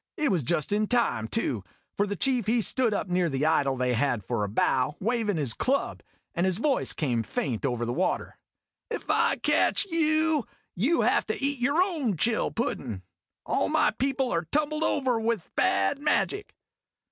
It was just in time, too, for the chief he stood up near the idol they had for a bow, waving his club, and his voice came faint over the water :" If I catch you, you have to eat your own chill puddin' ! All un people are tumbled over with bad magic